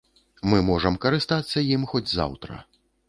Мы можам карыстацца ім хоць заўтра.